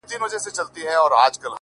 o پربت باندي يې سر واچوه ـ